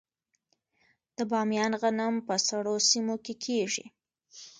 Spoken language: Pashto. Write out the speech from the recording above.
د بامیان غنم په سړو سیمو کې کیږي.